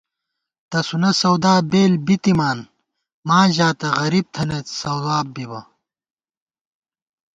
تسُونہ سَودا بېل بِتِمان ماں ژاتہ غریب تھنَئیت ثواب بِبہ